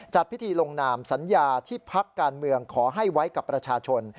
จัดพิธีลงนามสัญญาที่พักการเมืองขอให้ไว้กับประชาชน